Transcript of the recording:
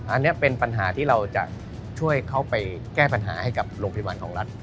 อันนี้เป็นปัญหาที่เราจะช่วยเข้าไปแก้ปัญหาให้กับโรงพยาบาลของรัฐ